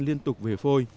liên tục về phôi